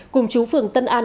cùng chú phường tân an